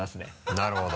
なるほど。